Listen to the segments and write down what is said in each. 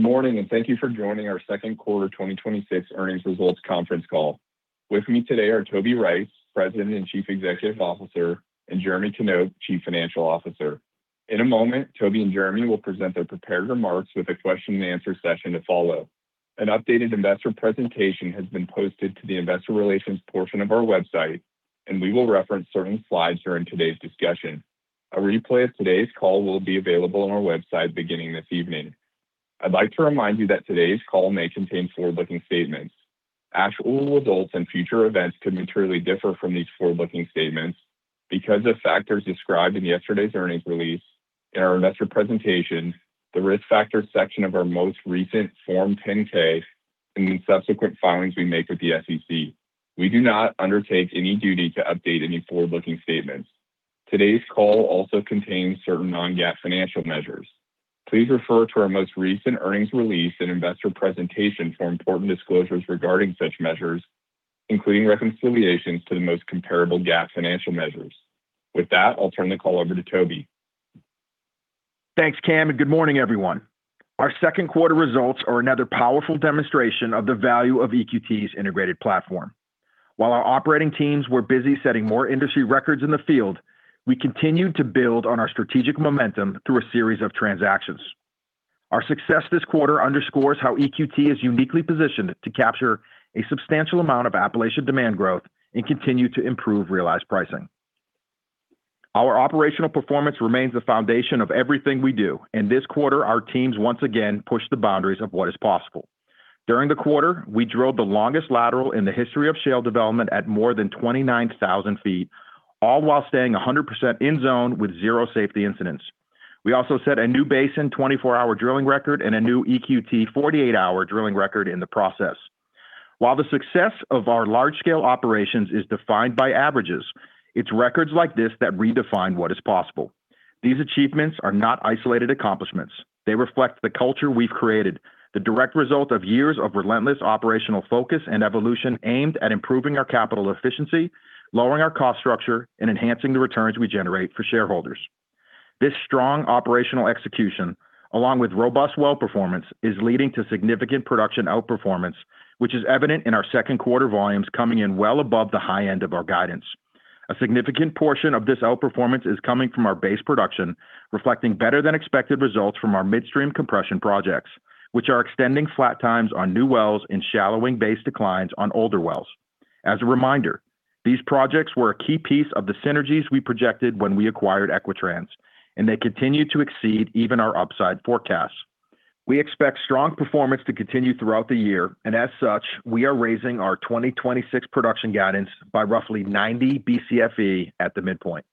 Good morning, and thank you for joining our second quarter 2026 earnings results conference call. With me today are Toby Rice, President and Chief Executive Officer, and Jeremy Knop, Chief Financial Officer. In a moment, Toby and Jeremy will present their prepared remarks with a question-and-answer session to follow. An updated investor presentation has been posted to the investor relations portion of our website, and we will reference certain slides during today's discussion. A replay of today's call will be available on our website beginning this evening. I'd like to remind you that today's call may contain forward-looking statements. Actual results and future events could materially differ from these forward-looking statements because of factors described in yesterday's earnings release and our investor presentation, the Risk Factors section of our most recent Form 10-K, and in subsequent filings we make with the SEC. We do not undertake any duty to update any forward-looking statements. Today's call also contains certain non-GAAP financial measures. Please refer to our most recent earnings release and investor presentation for important disclosures regarding such measures, including reconciliations to the most comparable GAAP financial measures. With that, I'll turn the call over to Toby. Thanks, Cam, and good morning, everyone. Our second quarter results are another powerful demonstration of the value of EQT's integrated platform. While our operating teams were busy setting more industry records in the field, we continued to build on our strategic momentum through a series of transactions. Our success this quarter underscores how EQT is uniquely positioned to capture a substantial amount of Appalachian demand growth and continue to improve realized pricing. Our operational performance remains the foundation of everything we do, and this quarter, our teams once again pushed the boundaries of what is possible. During the quarter, we drilled the longest lateral in the history of shale development at more than 29,000 feet, all while staying 100% in-zone with zero safety incidents. We also set a new basin 24-hour drilling record and a new EQT 48-hour drilling record in the process. While the success of our large-scale operations is defined by averages, it's records like this that redefine what is possible. These achievements are not isolated accomplishments. They reflect the culture we've created, the direct result of years of relentless operational focus and evolution aimed at improving our capital efficiency, lowering our cost structure, and enhancing the returns we generate for shareholders. This strong operational execution, along with robust well performance, is leading to significant production outperformance, which is evident in our second quarter volumes coming in well above the high end of our guidance. A significant portion of this outperformance is coming from our base production, reflecting better-than-expected results from our midstream compression projects, which are extending flat times on new wells and shallowing base declines on older wells. As a reminder, these projects were a key piece of the synergies we projected when we acquired Equitrans, they continue to exceed even our upside forecasts. We expect strong performance to continue throughout the year, as such, we are raising our 2026 production guidance by roughly 90 BCFE at the midpoint.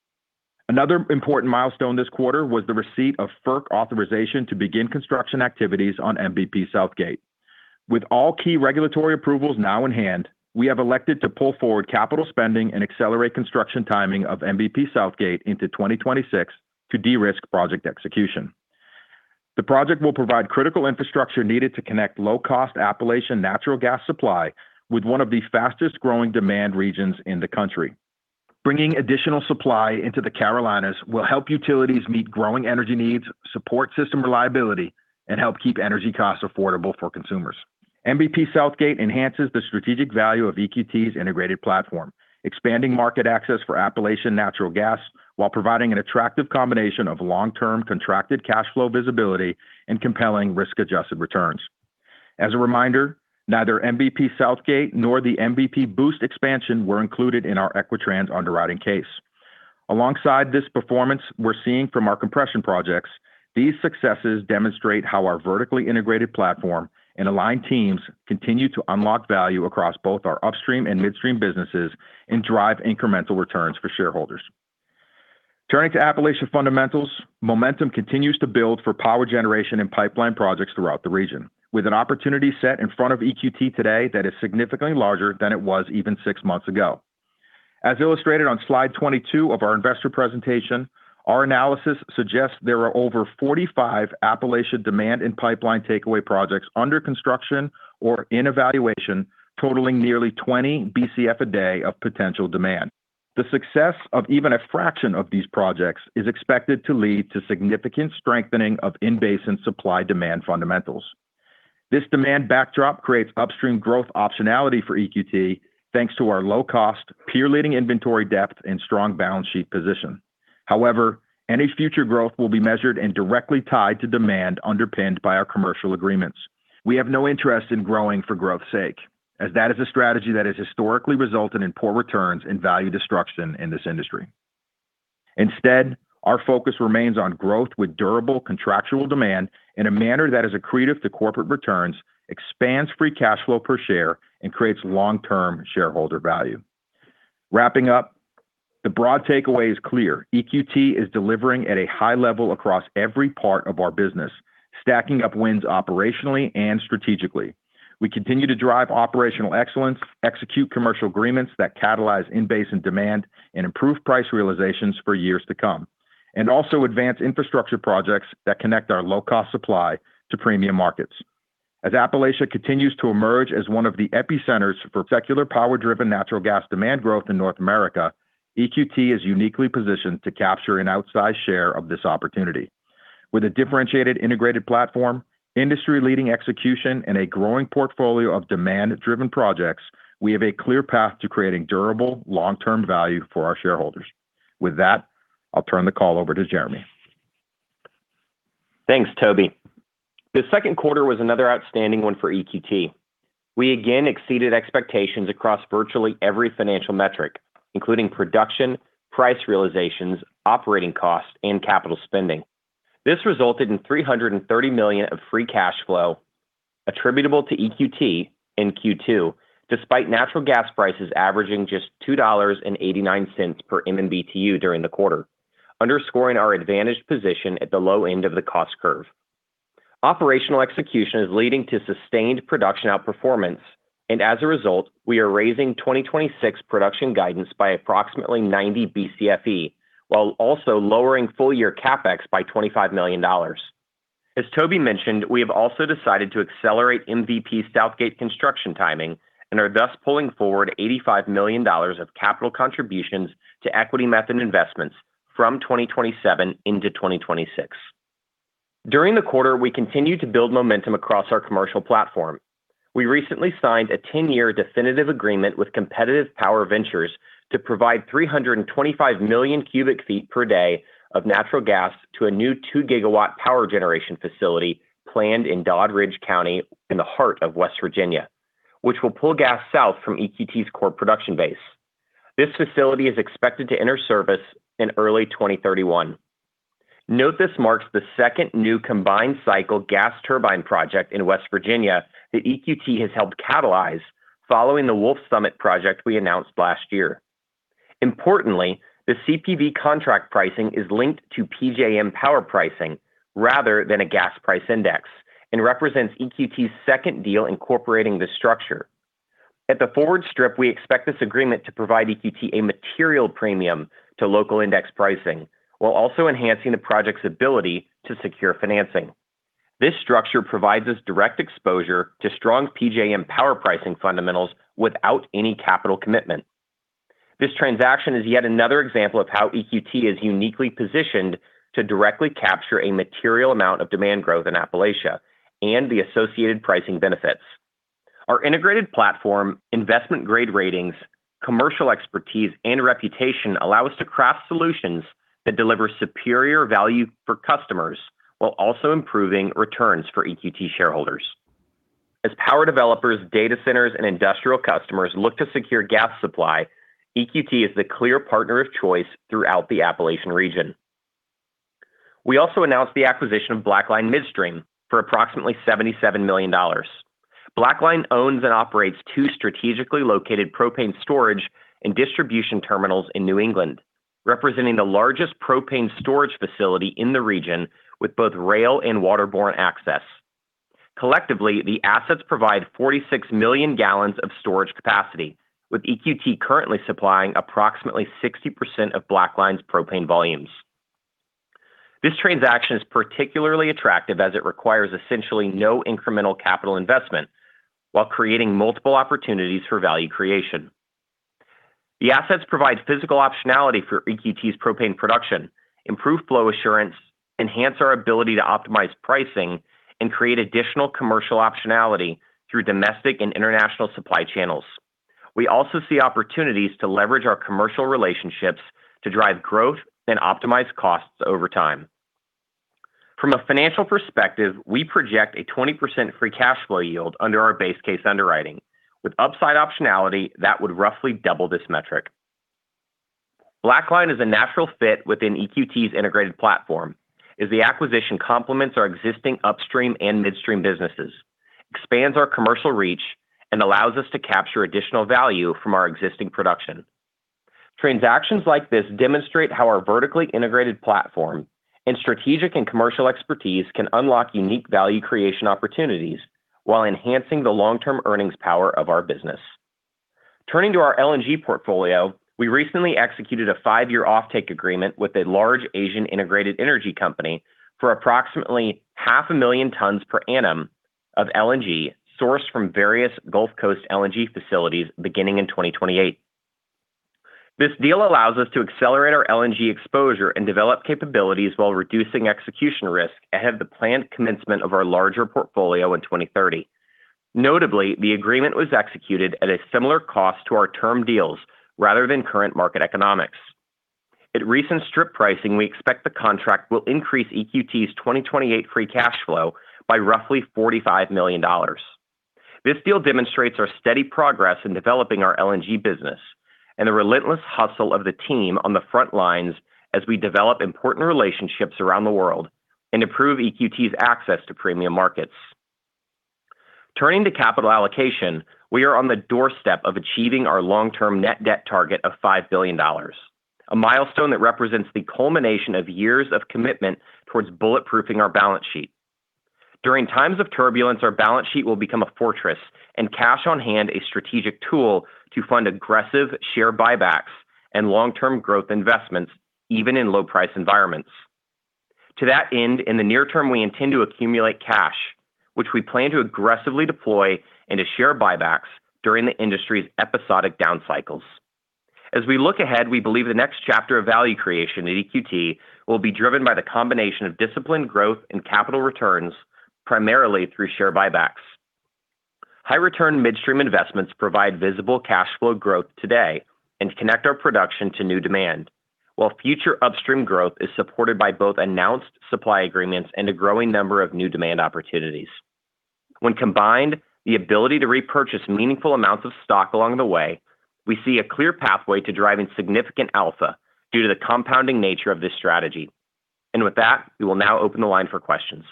Another important milestone this quarter was the receipt of FERC authorization to begin construction activities on MVP Southgate. With all key regulatory approvals now in hand, we have elected to pull forward capital spending and accelerate construction timing of MVP Southgate into 2026 to de-risk project execution. The project will provide critical infrastructure needed to connect low-cost Appalachian natural gas supply with one of the fastest-growing demand regions in the country. Bringing additional supply into the Carolinas will help utilities meet growing energy needs, support system reliability, and help keep energy costs affordable for consumers. MVP Southgate enhances the strategic value of EQT's integrated platform, expanding market access for Appalachian natural gas while providing an attractive combination of long-term contracted cash flow visibility and compelling risk-adjusted returns. As a reminder, neither MVP Southgate nor the MVP Boost expansion were included in our Equitrans underwriting case. Alongside this performance we're seeing from our compression projects, these successes demonstrate how our vertically integrated platform and aligned teams continue to unlock value across both our upstream and midstream businesses and drive incremental returns for shareholders. Turning to Appalachian fundamentals, momentum continues to build for power generation and pipeline projects throughout the region, with an opportunity set in front of EQT today that is significantly larger than it was even six months ago. As illustrated on slide 22 of our investor presentation, our analysis suggests there are over 45 Appalachian demand and pipeline takeaway projects under construction or in evaluation, totaling nearly 20 BCF a day of potential demand. The success of even a fraction of these projects is expected to lead to significant strengthening of in-basin supply-demand fundamentals. This demand backdrop creates upstream growth optionality for EQT, thanks to our low cost, peer-leading inventory depth, and strong balance sheet position. However, any future growth will be measured and directly tied to demand underpinned by our commercial agreements. We have no interest in growing for growth's sake, as that is a strategy that has historically resulted in poor returns and value destruction in this industry. Instead, our focus remains on growth with durable contractual demand in a manner that is accretive to corporate returns, expands free cash flow per share, and creates long-term shareholder value. Wrapping up, the broad takeaway is clear. EQT is delivering at a high level across every part of our business, stacking up wins operationally and strategically. We continue to drive operational excellence, execute commercial agreements that catalyze in-basin demand, improve price realizations for years to come, also advance infrastructure projects that connect our low-cost supply to premium markets. As Appalachia continues to emerge as one of the epicenters for secular power-driven natural gas demand growth in North America, EQT is uniquely positioned to capture an outsized share of this opportunity. With a differentiated integrated platform, industry-leading execution, and a growing portfolio of demand-driven projects, we have a clear path to creating durable, long-term value for our shareholders. With that, I'll turn the call over to Jeremy. Thanks, Toby. This second quarter was another outstanding one for EQT. We again exceeded expectations across virtually every financial metric, including production, price realizations, operating costs, and capital spending. This resulted in $330 million of free cash flow attributable to EQT in Q2, despite natural gas prices averaging just $2.89 per MMBtu during the quarter, underscoring our advantaged position at the low end of the cost curve. Operational execution is leading to sustained production outperformance, and as a result, we are raising 2026 production guidance by approximately 90 BCFE, while also lowering full-year CapEx by $25 million. As Toby mentioned, we have also decided to accelerate MVP Southgate construction timing and are thus pulling forward $85 million of capital contributions to equity method investments from 2027 into 2026. During the quarter, we continued to build momentum across our commercial platform. We recently signed a 10-year definitive agreement with Competitive Power Ventures to provide 325 million cubic feet per day of natural gas to a new 2 GW power generation facility planned in Doddridge County in the heart of West Virginia, which will pull gas south from EQT's core production base. This facility is expected to enter service in early 2031. Note this marks the second new combined cycle gas turbine project in West Virginia that EQT has helped catalyze following the Wolf Summit project we announced last year. Importantly, the CPV contract pricing is linked to PJM power pricing rather than a gas price index and represents EQT's second deal incorporating this structure. At the forward strip, we expect this agreement to provide EQT a material premium to local index pricing, while also enhancing the project's ability to secure financing. This structure provides us direct exposure to strong PJM power pricing fundamentals without any capital commitment. This transaction is yet another example of how EQT is uniquely positioned to directly capture a material amount of demand growth in Appalachia and the associated pricing benefits. Our integrated platform, investment grade ratings, commercial expertise, and reputation allow us to craft solutions that deliver superior value for customers while also improving returns for EQT shareholders. As power developers, data centers, and industrial customers look to secure gas supply, EQT is the clear partner of choice throughout the Appalachian region. We also announced the acquisition of Blackline Midstream for approximately $77 million. Blackline owns and operates two strategically located propane storage and distribution terminals in New England, representing the largest propane storage facility in the region, with both rail and waterborne access. Collectively, the assets provide 46 million gallons of storage capacity, with EQT currently supplying approximately 60% of Blackline's propane volumes. This transaction is particularly attractive as it requires essentially no incremental capital investment while creating multiple opportunities for value creation. The assets provide physical optionality for EQT's propane production, improve flow assurance, enhance our ability to optimize pricing, and create additional commercial optionality through domestic and international supply channels. We also see opportunities to leverage our commercial relationships to drive growth and optimize costs over time. From a financial perspective, we project a 20% free cash flow yield under our base case underwriting, with upside optionality that would roughly double this metric. Blackline is a natural fit within EQT's integrated platform as the acquisition complements our existing upstream and midstream businesses, expands our commercial reach, and allows us to capture additional value from our existing production. Transactions like this demonstrate how our vertically integrated platform and strategic and commercial expertise can unlock unique value creation opportunities while enhancing the long-term earnings power of our business. Turning to our LNG portfolio, we recently executed a five-year offtake agreement with a large Asian integrated energy company for approximately 0.5 million tons per annum of LNG, sourced from various Gulf Coast LNG facilities beginning in 2028. This deal allows us to accelerate our LNG exposure and develop capabilities while reducing execution risk ahead of the planned commencement of our larger portfolio in 2030. Notably, the agreement was executed at a similar cost to our term deals rather than current market economics. At recent strip pricing, we expect the contract will increase EQT's 2028 free cash flow by roughly $45 million. This deal demonstrates our steady progress in developing our LNG business and the relentless hustle of the team on the front lines as we develop important relationships around the world and improve EQT's access to premium markets. Turning to capital allocation, we are on the doorstep of achieving our long-term net debt target of $5 billion, a milestone that represents the culmination of years of commitment towards bulletproofing our balance sheet. During times of turbulence, our balance sheet will become a fortress and cash on hand a strategic tool to fund aggressive share buybacks and long-term growth investments, even in low-price environments. To that end, in the near term, we intend to accumulate cash, which we plan to aggressively deploy into share buybacks during the industry's episodic down cycles. As we look ahead, we believe the next chapter of value creation at EQT will be driven by the combination of disciplined growth and capital returns, primarily through share buybacks. High-return midstream investments provide visible cash flow growth today and connect our production to new demand. While future upstream growth is supported by both announced supply agreements and a growing number of new demand opportunities. When combined, the ability to repurchase meaningful amounts of stock along the way, we see a clear pathway to driving significant alpha due to the compounding nature of this strategy. With that, we will now open the line for questions.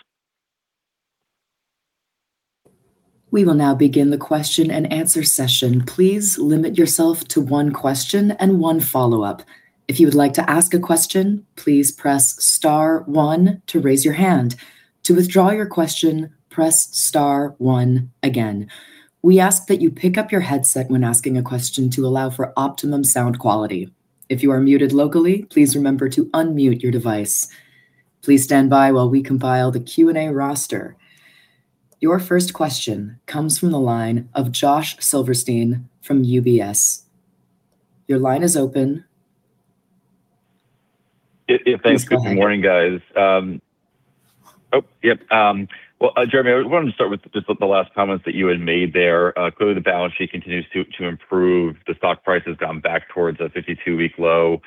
We will now begin the question-and-answer session. Please limit yourself to one question and one follow-up. If you would like to ask a question, please press star one to raise your hand. To withdraw your question, press star one again. We ask that you pick up your headset when asking a question to allow for optimum sound quality. If you are muted locally, please remember to unmute your device. Please stand by while we compile the Q&A roster. Your first question comes from the line of Josh Silverstein from UBS. Your line is open. Thanks. Good morning, guys. Jeremy, I wanted to start with just the last comments that you had made there. Clearly, the balance sheet continues to improve. The stock price has gone back towards a 52-week low.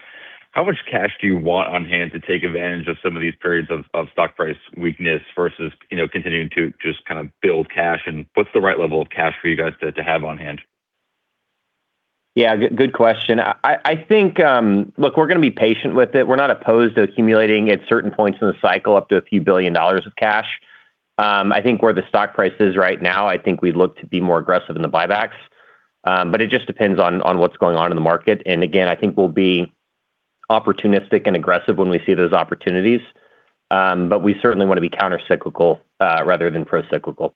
How much cash do you want on hand to take advantage of some of these periods of stock price weakness versus continuing to just build cash? What's the right level of cash for you guys to have on hand? Yeah, good question. Look, we're going to be patient with it. We're not opposed to accumulating at certain points in the cycle up to a few billion dollars of cash. I think where the stock price is right now, I think we look to be more aggressive in the buybacks. It just depends on what's going on in the market. Again, I think we'll be opportunistic and aggressive when we see those opportunities. We certainly want to be counter-cyclical rather than pro-cyclical.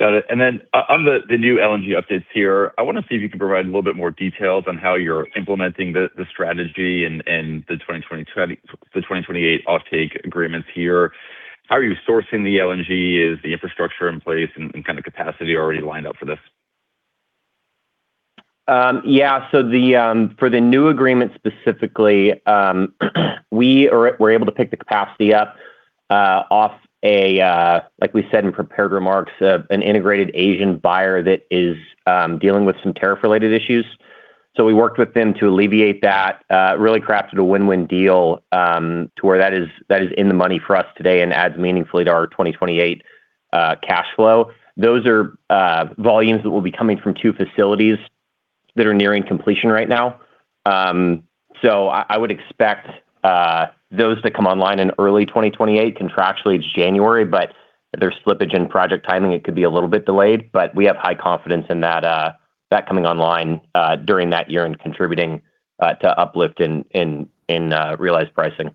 Got it. Then on the new LNG updates here, I want to see if you can provide a little bit more details on how you're implementing the strategy and the 2028 offtake agreements here. How are you sourcing the LNG? Is the infrastructure in place and capacity already lined up for this? For the new agreement, specifically, we're able to pick the capacity up off a, like we said in prepared remarks, an integrated Asian buyer that is dealing with some tariff-related issues. We worked with them to alleviate that, really crafted a win-win deal to where that is in the money for us today and adds meaningfully to our 2028 cash flow. Those are volumes that will be coming from two facilities that are nearing completion right now. I would expect those to come online in early 2028. Contractually, it's January, but if there's slippage in project timing, it could be a little bit delayed. We have high confidence in that coming online during that year and contributing to uplift in realized pricing.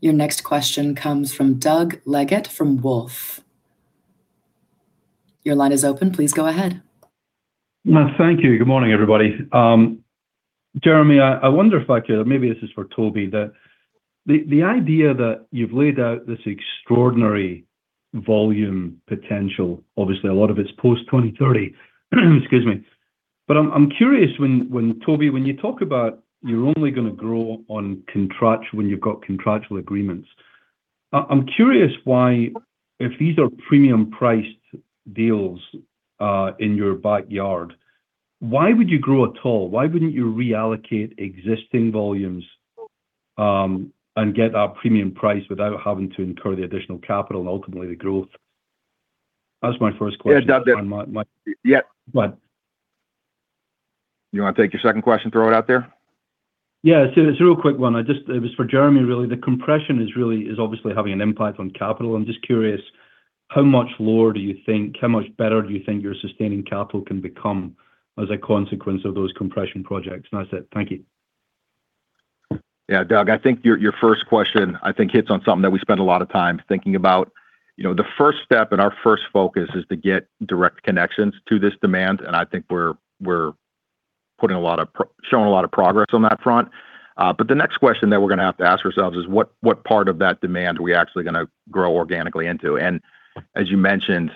Your next question comes from Doug Leggate from Wolfe. Your line is open. Please go ahead. Thank you. Good morning, everybody. Jeremy, maybe this is for Toby. The idea that you've laid out this extraordinary volume potential, obviously, a lot of it's post-2030. Excuse me. I'm curious, Toby, when you talk about you're only going to grow when you've got contractual agreements, I'm curious why, if these are premium-priced deals in your backyard, why would you grow at all? Why wouldn't you reallocate existing volumes and get a premium price without having to incur the additional capital and ultimately the growth? That was my first question. Doug. What? You want to take your second question, throw it out there? Yeah. It's a real quick one. It was for Jeremy, really. The compression is obviously having an impact on capital. I'm just curious how much lower do you think, how much better do you think your sustaining capital can become as a consequence of those compression projects? That's it. Thank you. Yeah. Doug, I think your first question hits on something that we spend a lot of time thinking about. The first step our first focus is to get direct connections to this demand, I think we're showing a lot of progress on that front. The next question that we're going to have to ask ourselves is what part of that demand are we actually going to grow organically into? As you mentioned,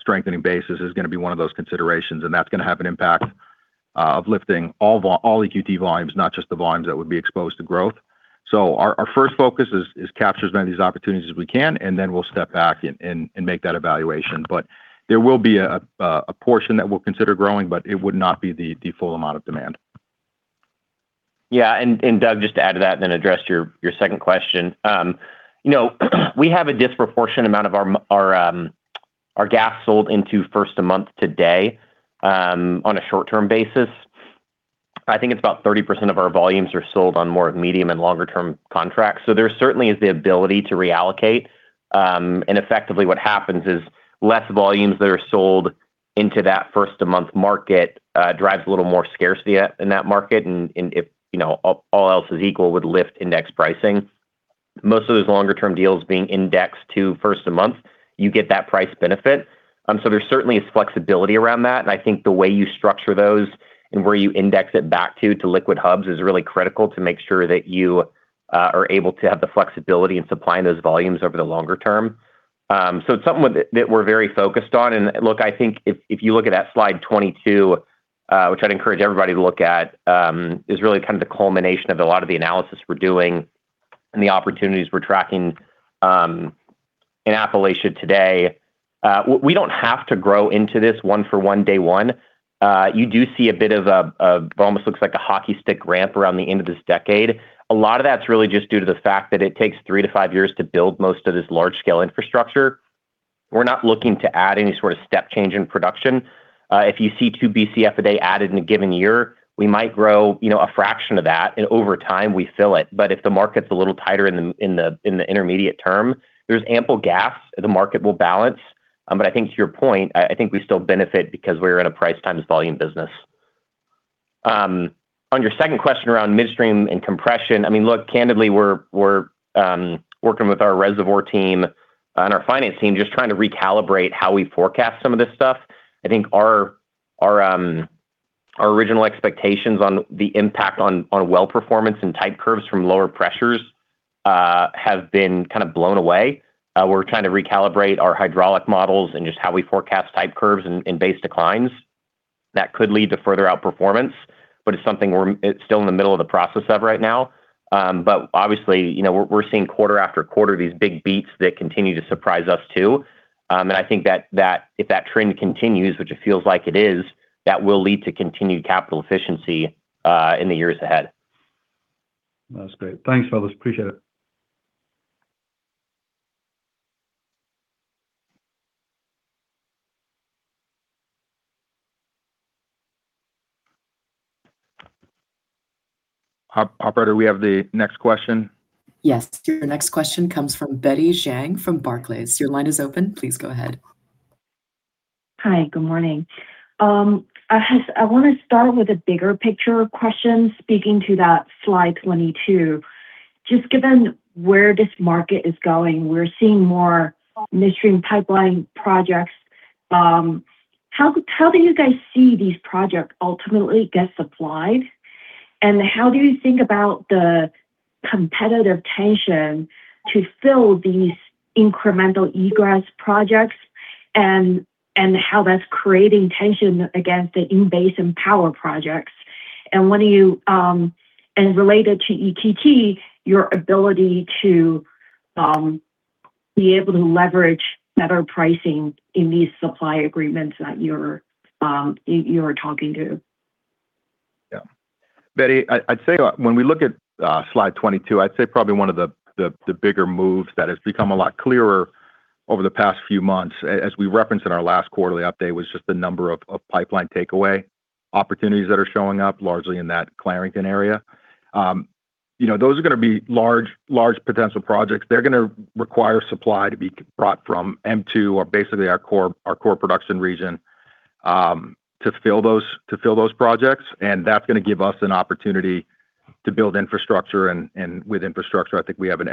strengthening basis is going to be one of those considerations, that's going to have an impact of lifting all EQT volumes, not just the volumes that would be exposed to growth. Our first focus is to capture as many of these opportunities as we can, then we'll step back and make that evaluation. There will be a portion that we'll consider growing, but it would not be the full amount of demand. Yeah. Doug, just to add to that, and then address your second question. We have a disproportionate amount of our gas sold into first of month to day on a short-term basis. I think it's about 30% of our volumes are sold on more medium and longer-term contracts. There certainly is the ability to reallocate. Effectively what happens is less volumes that are sold into that first of month market drives a little more scarcity in that market, and if all else is equal, would lift index pricing. Most of those longer-term deals being indexed to first of month, you get that price benefit. There certainly is flexibility around that, and I think the way you structure those and where you index it back to liquid hubs is really critical to make sure that you are able to have the flexibility in supplying those volumes over the longer term. It's something that we're very focused on. Look, I think if you look at that slide 22, which I'd encourage everybody to look at, is really the culmination of a lot of the analysis we're doing and the opportunities we're tracking in Appalachia today. We don't have to grow into this one for one, day one. You do see a bit of almost looks like a hockey stick ramp around the end of this decade. A lot of that's really just due to the fact that it takes three to five years to build most of this large-scale infrastructure. We're not looking to add any sort of step change in production. If you see two Bcf a day added in a given year, we might grow a fraction of that, and over time we fill it. If the market's a little tighter in the intermediate term, there's ample gas, the market will balance. I think to your point, I think we still benefit because we're in a price times volume business. On your second question around midstream and compression, look, candidly, we're working with our reservoir team and our finance team, just trying to recalibrate how we forecast some of this stuff. I think our original expectations on the impact on our well performance and type curves from lower pressures have been kind of blown away. We're trying to recalibrate our hydraulic models and just how we forecast type curves and base declines that could lead to further out performance, but it's something we're still in the middle of the process of right now. Obviously, we're seeing quarter after quarter, these big beats that continue to surprise us too. I think that if that trend continues, which it feels like it is, that will lead to continued capital efficiency in the years ahead. That's great. Thanks, fellas. Appreciate it. Operator, we have the next question. The next question comes from Betty Jiang from Barclays. Your line is open. Please go ahead. Hi. Good morning. I want to start with a bigger picture question, speaking to that slide 22. Just given where this market is going, we're seeing more midstream pipeline projects. How do you guys see these projects ultimately get supplied? How do you think about the competitive tension to fill these incremental egress projects and how that's creating tension against the in-basin power projects? Related to EQT, your ability to be able to leverage better pricing in these supply agreements that you're talking to. Yeah. Betty, I'd say when we look at slide 22, I'd say probably one of the bigger moves that has become a lot clearer over the past few months, as we referenced in our last quarterly update, was just the number of pipeline takeaway opportunities that are showing up largely in that Clarington area. Those are going to be large potential projects. They're going to require supply to be brought from M2 or basically our core production region, to fill those projects. That's going to give us an opportunity to build infrastructure, and with infrastructure, I think we have an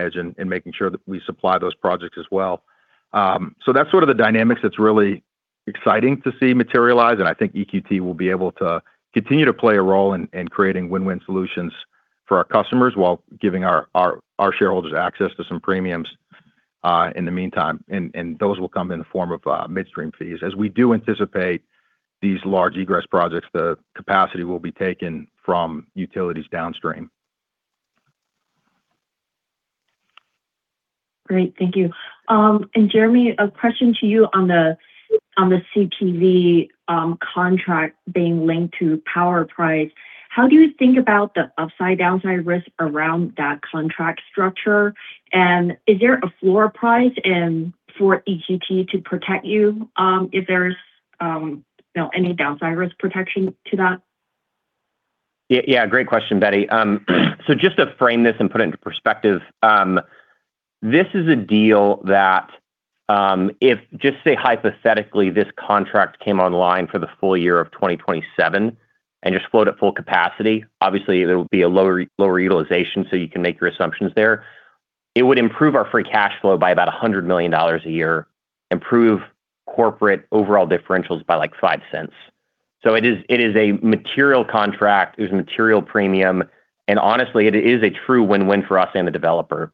edge in making sure that we supply those projects as well. That's sort of the dynamics that's really exciting to see materialize, and I think EQT will be able to continue to play a role in creating win-win solutions for our customers while giving our shareholders access to some premiums, in the meantime. Those will come in the form of midstream fees. As we do anticipate these large egress projects, the capacity will be taken from utilities downstream. Great. Thank you. Jeremy, a question to you on the CPV contract being linked to power price. How do you think about the upside downside risk around that contract structure? Is there a floor price in for EQT to protect you? Is there any downside risk protection to that? Yeah, great question, Betty. Just to frame this and put it into perspective, this is a deal that, if just say hypothetically, this contract came online for the full year of 2027 and just flowed at full capacity. Obviously, there would be a lower utilization, so you can make your assumptions there. It would improve our free cash flow by about $100 million a year, improve corporate overall differentials by $0.05. It is a material contract, it is a material premium, and honestly, it is a true win-win for us and the developer.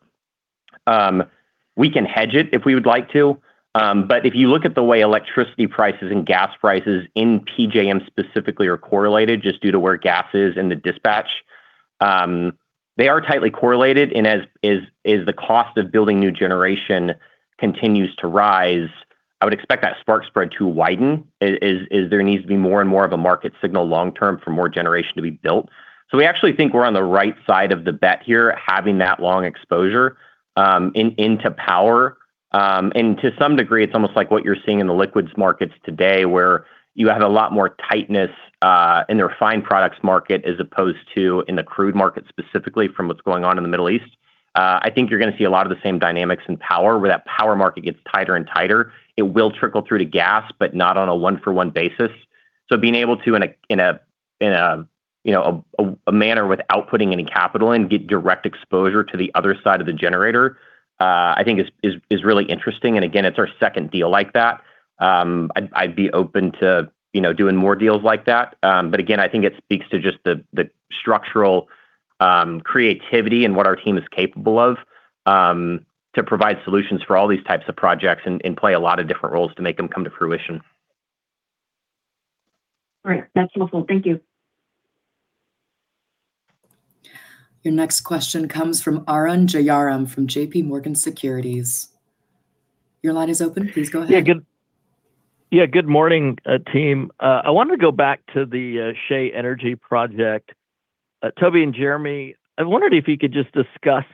We can hedge it if we would like to. If you look at the way electricity prices and gas prices in PJM specifically are correlated, just due to where gas is in the dispatch, they are tightly correlated, as the cost of building new generation continues to rise, I would expect that spark spread to widen, as there needs to be more and more of a market signal long-term for more generation to be built. We actually think we're on the right side of the bet here, having that long exposure into power. To some degree, it's almost like what you're seeing in the liquids markets today, where you have a lot more tightness in the refined products market as opposed to in the crude market specifically from what's going on in the Middle East. I think you're going to see a lot of the same dynamics in power, where that power market gets tighter and tighter. It will trickle through to gas, but not on a one-for-one basis. Being able to, in a manner without putting any capital in, get direct exposure to the other side of the generator, I think is really interesting. Again, it's our second deal like that. I'd be open to doing more deals like that. Again, I think it speaks to just the structural creativity and what our team is capable of, to provide solutions for all these types of projects and play a lot of different roles to make them come to fruition. Great. That's helpful. Thank you. Your next question comes from Arun Jayaram from JPMorgan Securities. Your line is open. Please go ahead. Good morning, team. I wanted to go back to the Shay Energy project. Toby and Jeremy, I wondered if you could just discuss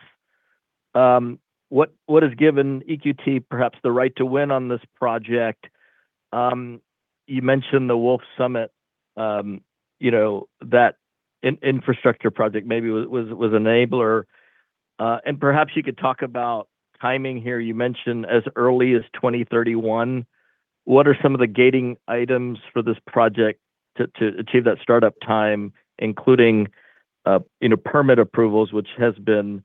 what has given EQT perhaps the right to win on this project. You mentioned the Wolf Summit, that infrastructure project maybe was an enabler. Perhaps you could talk about timing here. You mentioned as early as 2031. What are some of the gating items for this project to achieve that startup time, including permit approvals, which has been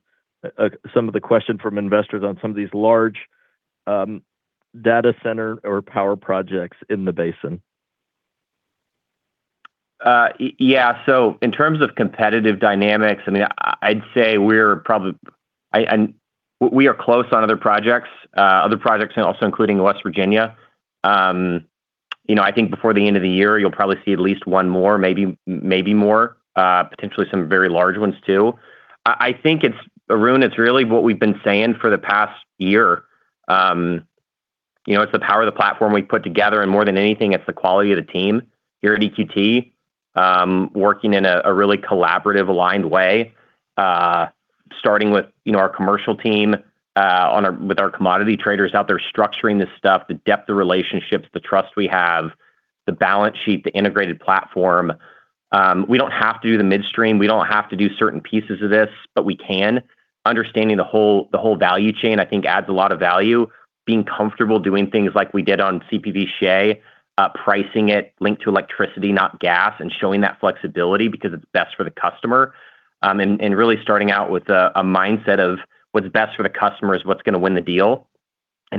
some of the question from investors on some of these large data center or power projects in the basin? In terms of competitive dynamics, I'd say we are close on other projects and also including West Virginia. I think before the end of the year, you'll probably see at least one more, maybe more, potentially some very large ones, too. I think, Arun, it's really what we've been saying for the past year. It's the power of the platform we've put together, more than anything, it's the quality of the team here at EQT, working in a really collaborative, aligned way. Starting with our commercial team with our commodity traders out there structuring this stuff, the depth of relationships, the trust we have, the balance sheet, the integrated platform. We don't have to do the midstream, we don't have to do certain pieces of this, we can. Understanding the whole value chain, I think adds a lot of value. Being comfortable doing things like we did on CPV Shay, pricing it linked to electricity, not gas, showing that flexibility because it's best for the customer. Really starting out with a mindset of what's best for the customer is what's going to win the deal,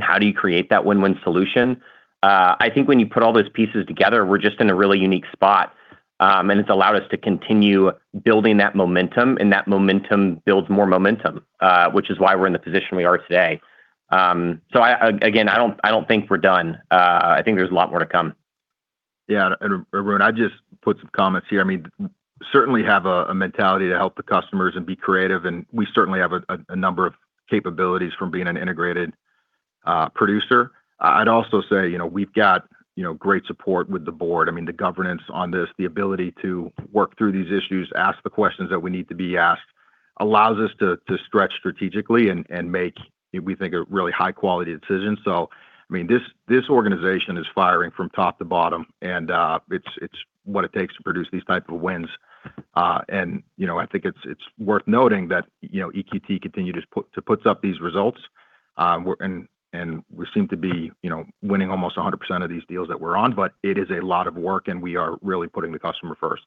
how do you create that win-win solution? I think when you put all those pieces together, we're just in a really unique spot, it's allowed us to continue building that momentum, that momentum builds more momentum, which is why we're in the position we are today. Again, I don't think we're done. I think there's a lot more to come. Arun, I'd just put some comments here. Certainly have a mentality to help the customers, be creative, we certainly have a number of capabilities from being an integrated producer. I'd also say, we've got great support with the board. The governance on this, the ability to work through these issues, ask the questions that we need to be asked, allows us to stretch strategically, make, we think, a really high-quality decision. This organization is firing from top to bottom, it's what it takes to produce these type of wins. I think it's worth noting that EQT continues to puts up these results, we seem to be winning almost 100% of these deals that we're on, it is a lot of work, we are really putting the customer first.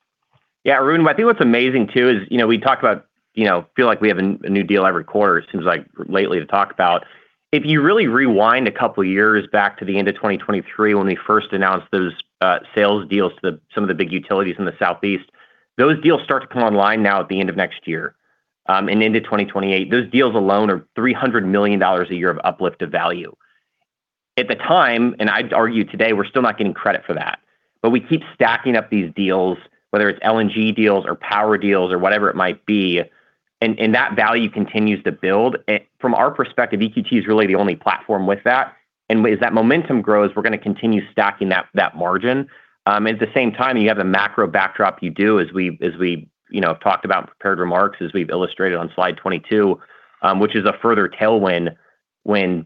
Arun, I think what's amazing too is, we talk about feel like we have a new deal every quarter, it seems like lately to talk about. If you really rewind a couple of years back to the end of 2023 when we first announced those sales deals to some of the big utilities in the Southeast, those deals start to come online now at the end of next year, and into 2028. Those deals alone are $300 million a year of uplift of value. At the time, and I'd argue today, we're still not getting credit for that. We keep stacking up these deals, whether it's LNG deals or power deals or whatever it might be, and that value continues to build. From our perspective, EQT is really the only platform with that. As that momentum grows, we're going to continue stacking that margin. At the same time, you have the macro backdrop you do as we have talked about in prepared remarks, as we've illustrated on slide 22, which is a further tailwind. Again,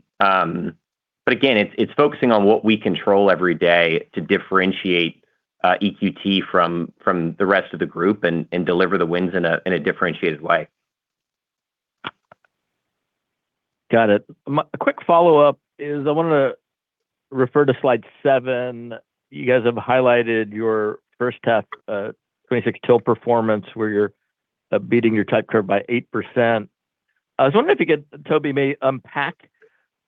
it's focusing on what we control every day to differentiate EQT from the rest of the group and deliver the wins in a differentiated way. Got it. A quick follow-up is I wanted to refer to slide seven. You guys have highlighted your first half 2026 till performance where you're beating your type curve by 8%. I was wondering if you could, Toby, maybe unpack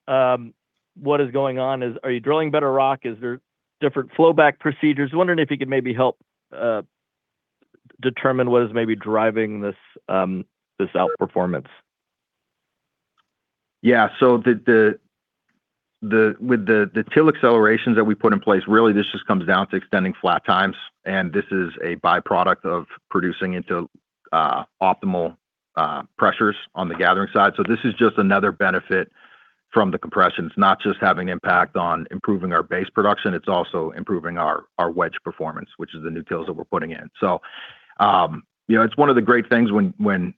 what is going on. Are you drilling better rock? Is there different flow back procedures? Wondering if you could maybe help determine what is maybe driving this outperformance. With the till accelerations that we put in place, really, this just comes down to extending flat times, and this is a by-product of producing into optimal pressures on the gathering side. This is just another benefit from the compression. It's not just having an impact on improving our base production, it's also improving our wedge performance, which is the new tills that we're putting in. It's one of the great things when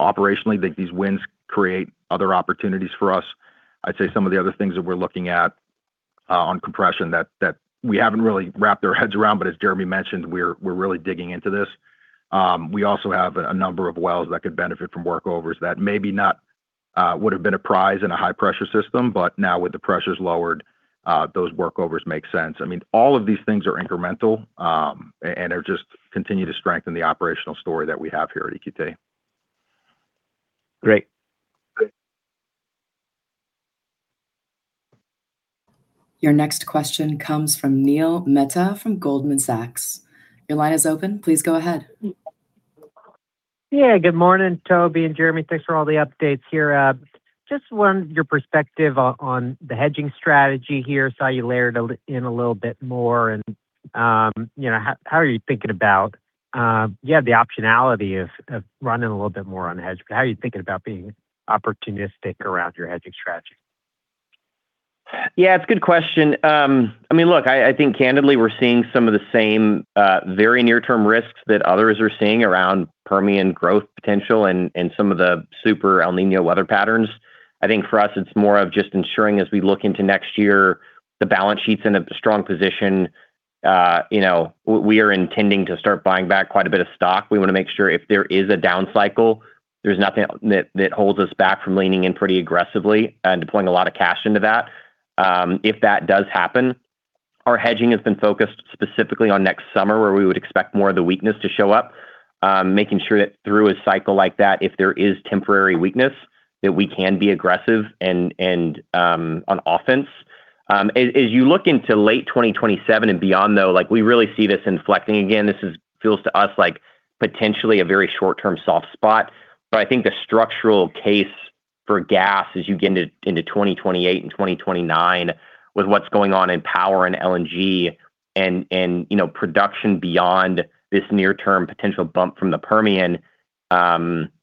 operationally, these wins create other opportunities for us. I'd say some of the other things that we're looking at on compression that we haven't really wrapped our heads around, but as Jeremy mentioned, we're really digging into this. We also have a number of wells that could benefit from workovers that maybe not would have been a prize in a high-pressure system, but now with the pressures lowered, those workovers make sense. All of these things are incremental, and they just continue to strengthen the operational story that we have here at EQT. Great. Your next question comes from Neil Mehta from Goldman Sachs. Your line is open. Please go ahead. Yeah. Good morning, Toby and Jeremy. Thanks for all the updates here. Just wanted your perspective on the hedging strategy here. Saw you layered in a little bit more and how are you thinking about the optionality of running a little bit more unhedged? How are you thinking about being opportunistic around your hedging strategy? Yeah, it's a good question. Look, I think candidly, we're seeing some of the same very near-term risks that others are seeing around Permian growth potential and some of the super El Niño weather patterns. I think for us, it's more of just ensuring as we look into next year, the balance sheet's in a strong position. We are intending to start buying back quite a bit of stock. We want to make sure if there is a down cycle, there's nothing that holds us back from leaning in pretty aggressively and deploying a lot of cash into that. If that does happen, our hedging has been focused specifically on next summer, where we would expect more of the weakness to show up. Making sure that through a cycle like that, if there is temporary weakness, that we can be aggressive and on offense. As you look into late 2027 and beyond, though, we really see this inflecting again. This feels to us like potentially a very short-term soft spot. I think the structural case for gas as you get into 2028 and 2029 with what's going on in power and LNG and production beyond this near term potential bump from the Permian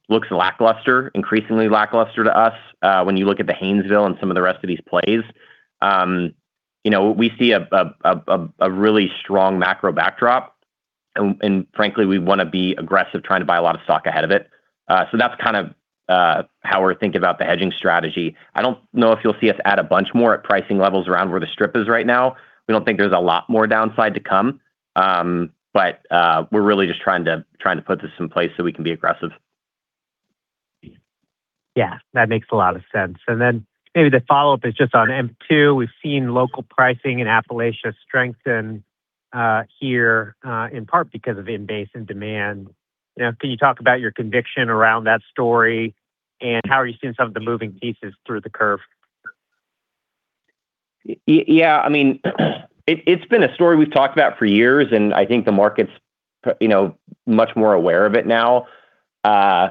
looks lackluster, increasingly lackluster to us. When you look at the Haynesville and some of the rest of these plays, we see a really strong macro backdrop, and frankly, we want to be aggressive trying to buy a lot of stock ahead of it. That's how we're thinking about the hedging strategy. I don't know if you'll see us add a bunch more at pricing levels around where the strip is right now. We don't think there's a lot more downside to come. We're really just trying to put this in place so we can be aggressive. That makes a lot of sense. Then maybe the follow-up is just on M2. We've seen local pricing in Appalachia strengthen here in part because of in-basin demand. Can you talk about your conviction around that story, and how are you seeing some of the moving pieces through the curve? It's been a story we've talked about for years, I think the market's much more aware of it now. All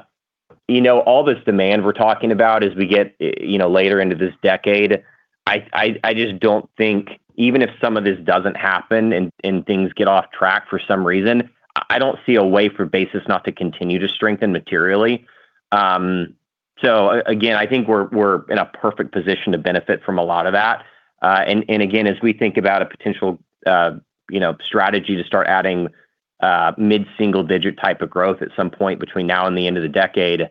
this demand we're talking about as we get later into this decade, I just don't think, even if some of this doesn't happen and things get off track for some reason, I don't see a way for basis not to continue to strengthen materially. Again, I think we're in a perfect position to benefit from a lot of that. Again, as we think about a potential strategy to start adding mid-single-digit type of growth at some point between now and the end of the decade,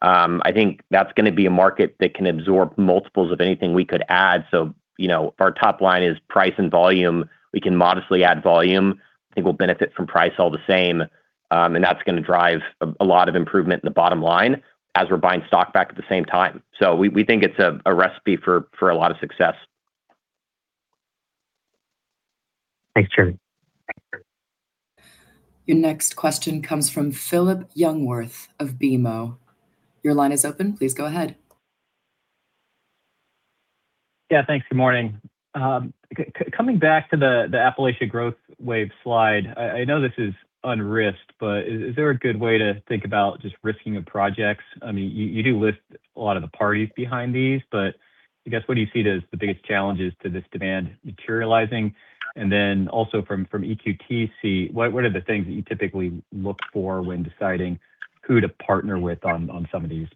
I think that's going to be a market that can absorb multiples of anything we could add. If our top line is price and volume, we can modestly add volume. I think we'll benefit from price all the same, and that's going to drive a lot of improvement in the bottom line as we're buying stock back at the same time. We think it's a recipe for a lot of success. Thanks, Jeremy. Your next question comes from Phillip Jungwirth of BMO. Your line is open. Please go ahead. Yeah, thanks. Good morning. Coming back to the Appalachia growth wave slide. I know this is un-risked, is there a good way to think about just risking the projects? You do list a lot of the parties behind these, I guess, what do you see as the biggest challenges to this demand materializing? Also from EQT's seat, what are the things that you typically look for when deciding who to partner with on some of these?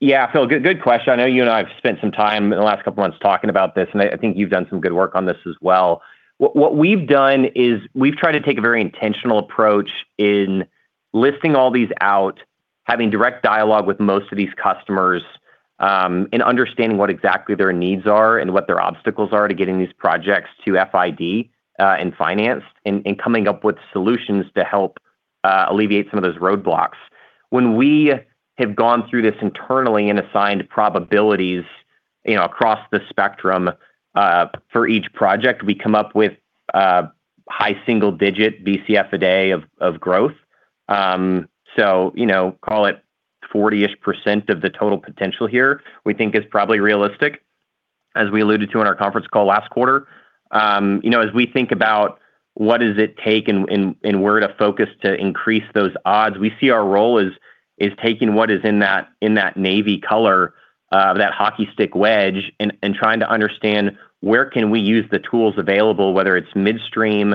Yeah, Phil, good question. I know you and I have spent some time in the last couple of months talking about this, and I think you've done some good work on this as well. What we've done is we've tried to take a very intentional approach in listing all these out, having direct dialogue with most of these customers, and understanding what exactly their needs are and what their obstacles are to getting these projects to FID and financed, and coming up with solutions to help alleviate some of those roadblocks. When we have gone through this internally and assigned probabilities across the spectrum for each project, we come up with high single-digit Bcf a day of growth. Call it 40-ish% of the total potential here, we think is probably realistic, as we alluded to in our conference call last quarter. As we think about what does it take and where to focus to increase those odds, we see our role is taking what is in that navy color, that hockey stick wedge, and trying to understand where can we use the tools available, whether it's midstream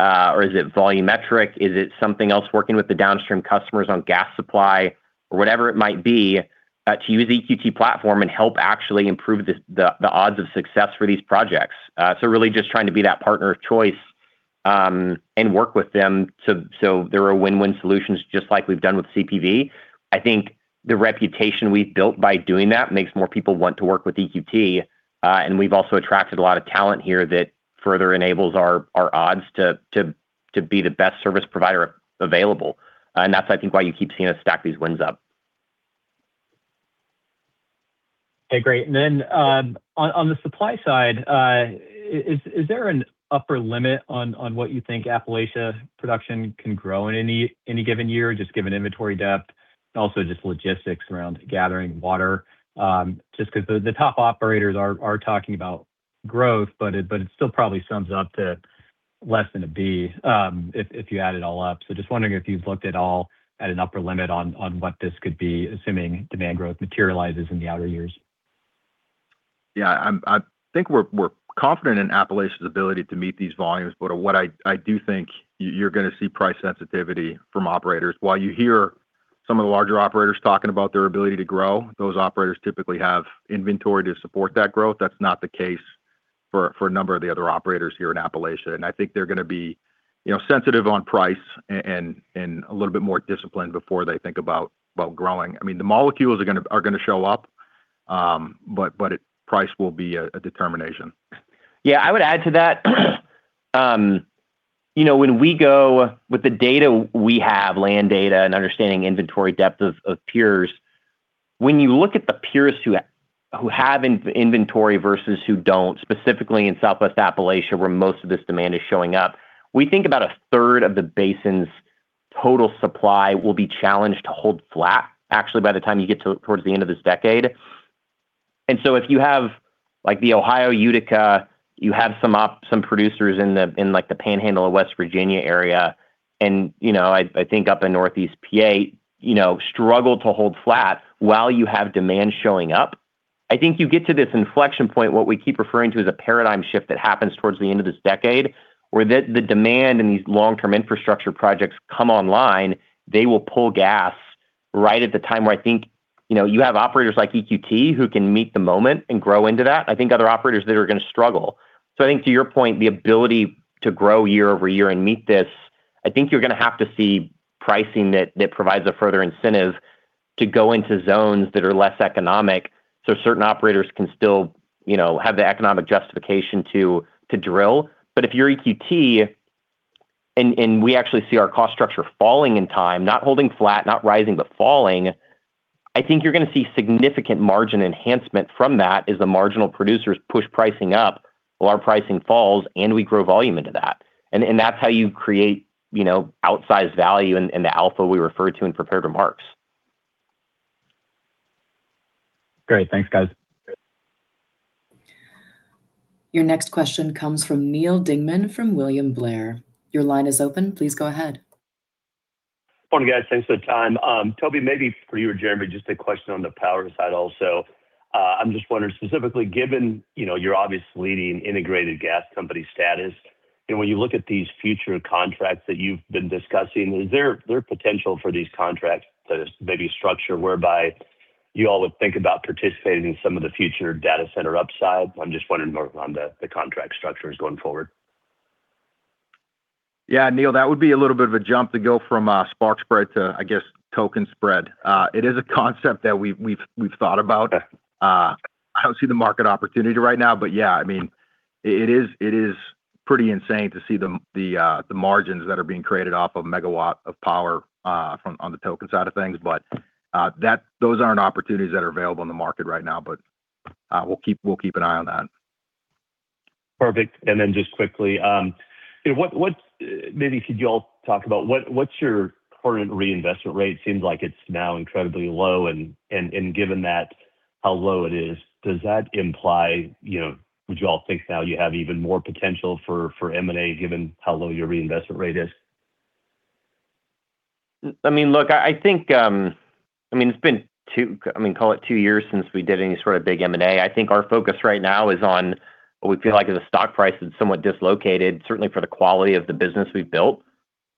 or is it volumetric, is it something else working with the downstream customers on gas supply or whatever it might be, to use EQT platform and help actually improve the odds of success for these projects. Really just trying to be that partner of choice, and work with them so they're win-win solutions, just like we've done with CPV. I think the reputation we've built by doing that makes more people want to work with EQT. We've also attracted a lot of talent here that further enables our odds to be the best service provider available. That's, I think, why you keep seeing us stack these wins up. Okay, great. Then on the supply side, is there an upper limit on what you think Appalachia production can grow in any given year, just given inventory depth, and also just logistics around gathering water? Just because the top operators are talking about growth, but it still probably sums up to less than a Bcf if you add it all up. Just wondering if you've looked at all at an upper limit on what this could be, assuming demand growth materializes in the outer years. I think we're confident in Appalachia's ability to meet these volumes. What I do think you're going to see price sensitivity from operators. While you hear some of the larger operators talking about their ability to grow, those operators typically have inventory to support that growth. That's not the case for a number of the other operators here in Appalachia. I think they're going to be sensitive on price and a little bit more disciplined before they think about growing. The molecules are going to show up, but price will be a determination. I would add to that. When we go with the data we have, land data and understanding inventory depth of peers. When you look at the peers who have inventory versus who don't, specifically in Southwest Appalachia, where most of this demand is showing up, we think about a third of the basin's total supply will be challenged to hold flat, actually, by the time you get towards the end of this decade. If you have the Ohio Utica, you have some producers in the Panhandle of West Virginia area, and I think up in Northeast PA, struggle to hold flat while you have demand showing up. I think you get to this inflection point, what we keep referring to as a paradigm shift that happens towards the end of this decade, where the demand and these long-term infrastructure projects come online, they will pull gas right at the time where I think you have operators like EQT who can meet the moment and grow into that. I think other operators there are going to struggle. I think to your point, the ability to grow year-over-year and meet this, I think you're going to have to see pricing that provides a further incentive to go into zones that are less economic, so certain operators can still have the economic justification to drill. If you're EQT, and we actually see our cost structure falling in time, not holding flat, not rising, but falling, I think you're going to see significant margin enhancement from that as the marginal producers push pricing up while our pricing falls and we grow volume into that. That's how you create outsized value in the alpha we refer to in prepared remarks. Great. Thanks, guys. Your next question comes from Neal Dingmann from William Blair. Your line is open. Please go ahead. Morning, guys. Thanks for the time. Toby, maybe for you or Jeremy, just a question on the power side also. I'm just wondering specifically given your obvious leading integrated gas company status. When you look at these future contracts that you've been discussing, is there potential for these contracts to maybe structure whereby you all would think about participating in some of the future data center upside? I'm just wondering more on the contract structures going forward. Yeah, Neal, that would be a little bit of a jump to go from spark spread to, I guess, spark spread. It is a concept that we've thought about. Okay. I don't see the market opportunity right now, yeah. It is pretty insane to see the margins that are being created off of megawatt of power on the token side of things. Those aren't opportunities that are available in the market right now. We'll keep an eye on that. Perfect. Just quickly. Maybe could you all talk about what's your current reinvestment rate? Seems like it's now incredibly low, given that how low it is, does that imply, would you all think now you have even more potential for M&A given how low your reinvestment rate is? Look, I think it's been, call it two years since we did any sort of big M&A. I think our focus right now is on what we feel like is a stock price that's somewhat dislocated, certainly for the quality of the business we've built.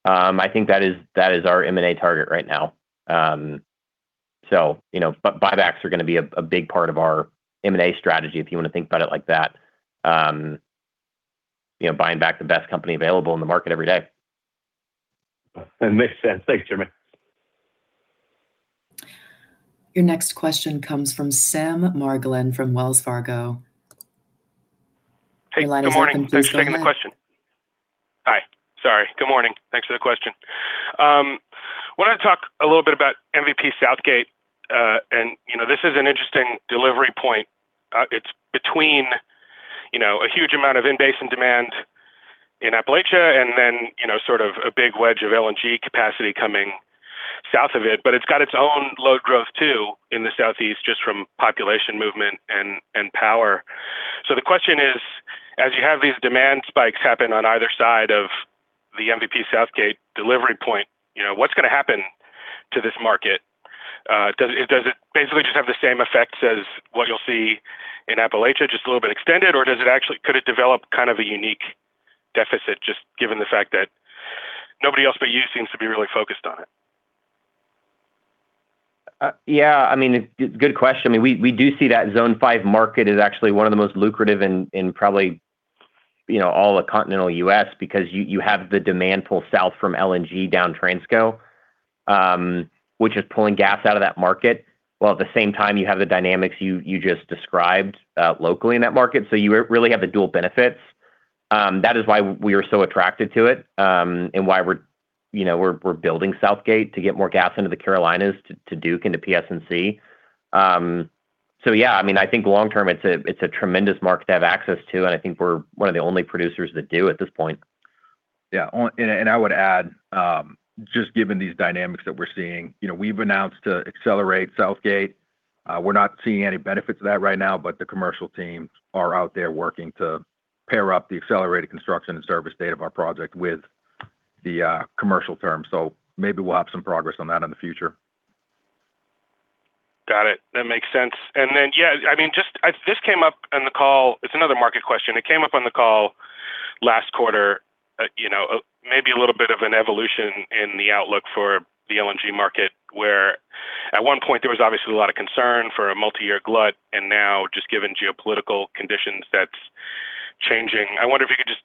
I think that is our M&A target right now. Buybacks are going to be a big part of our M&A strategy, if you want to think about it like that. Buying back the best company available in the market every day. That makes sense. Thanks, Jeremy. Your next question comes from Sam Margolin from Wells Fargo. Your line is open. Sam, you're on mute. Hey. Good morning. Thanks for taking the question. Hi. Sorry. Good morning. Thanks for the question. Wanted to talk a little bit about MVP Southgate. This is an interesting delivery point. It's between a huge amount of in-basin demand in Appalachia and then sort of a big wedge of LNG capacity coming south of it. It's got its own load growth, too, in the Southeast, just from population movement and power. The question is, as you have these demand spikes happen on either side of the MVP Southgate delivery point, what's going to happen to this market? Does it basically just have the same effects as what you'll see in Appalachia, just a little bit extended, or could it develop kind of a unique deficit, just given the fact that nobody else but you seems to be really focused on it? Yeah. Good question. We do see that Zone 5 market is actually one of the most lucrative in probably all the continental U.S. because you have the demand pull south from LNG down Transco Which is pulling gas out of that market, while at the same time you have the dynamics you just described locally in that market, you really have the dual benefits. That is why we are so attracted to it, and why we're building Southgate to get more gas into the Carolinas to Duke and to PSNC. Yeah. I think long-term it's a tremendous market to have access to, and I think we're one of the only producers that do at this point. Yeah. I would add, just given these dynamics that we're seeing, we've announced to accelerate Southgate. We're not seeing any benefits of that right now, the commercial teams are out there working to pair up the accelerated construction and service date of our project with the commercial terms. Maybe we'll have some progress on that in the future. Got it. That makes sense. Yeah, this came up on the call. It's another market question. It came up on the call last quarter. Maybe a little bit of an evolution in the outlook for the LNG market, where at one point there was obviously a lot of concern for a multi-year glut, and now just given geopolitical conditions, that's changing. I wonder if you could just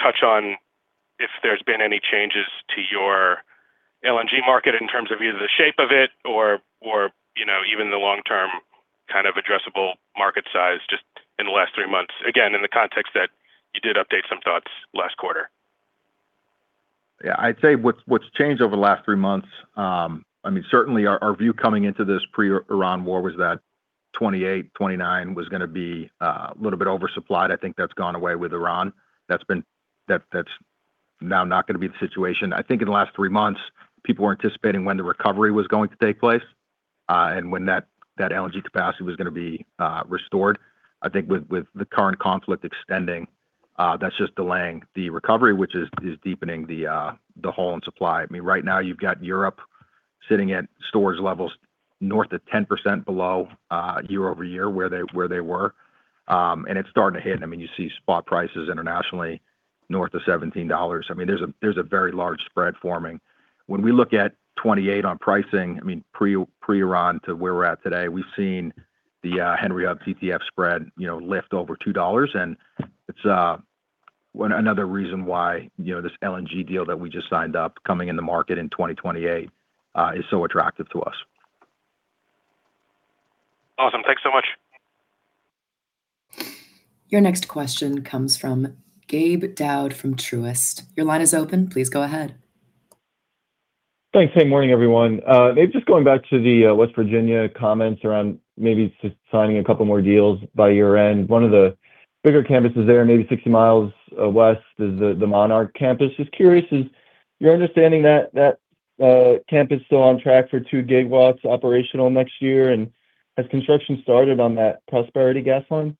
touch on if there's been any changes to your LNG market in terms of either the shape of it or even the long-term addressable market size just in the last three months. Again, in the context that you did update some thoughts last quarter. Yeah. I'd say what's changed over the last three months, certainly our view coming into this pre-Iran war was that 2028, 2029 was going to be a little bit oversupplied. I think that's gone away with Iran. That's now not going to be the situation. I think in the last three months, people were anticipating when the recovery was going to take place, and when that LNG capacity was going to be restored. I think with the current conflict extending, that's just delaying the recovery, which is deepening the hole in supply. Right now you've got Europe sitting at storage levels north of 10% below year-over-year where they were. It's starting to hit. You see spot prices internationally north of $17. There's a very large spread forming. When we look at 2028 on pricing, pre-Iran to where we're at today, we've seen the Henry Hub JKM spread lift over $2. It's another reason why this LNG deal that we just signed up coming in the market in 2028 is so attractive to us. Awesome. Thanks so much. Your next question comes from Gabe Daoud from Truist. Your line is open. Please go ahead. Thanks. Hey, morning everyone. Maybe just going back to the West Virginia comments around maybe just signing a couple more deals by year-end. One of the bigger campuses there, maybe 60 miles west is the Monarch campus. Just curious, is your understanding that campus is still on track for 2 GW operational next year, and has construction started on that Prosperity Line?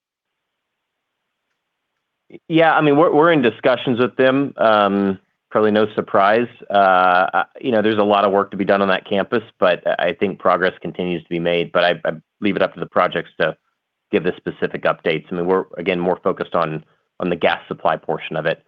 Yeah, we're in discussions with them. Probably no surprise. There's a lot of work to be done on that campus, but I think progress continues to be made. But I'd leave it up to the projects to give the specific updates. We're, again, more focused on the gas supply portion of it.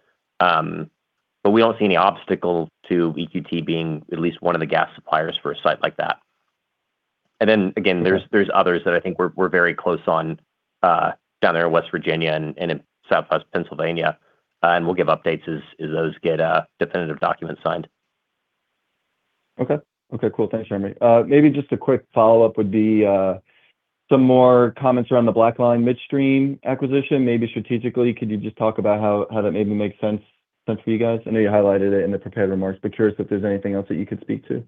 Again, there's others that I think we're very close on down there in West Virginia and in southwest Pennsylvania. And we'll give updates as those get definitive documents signed. Okay. Cool. Thanks, Jeremy. Maybe just a quick follow-up would be some more comments around the Blackline Midstream acquisition, maybe strategically. Could you just talk about how that maybe makes sense for you guys? I know you highlighted it in the prepared remarks, but curious if there's anything else that you could speak to.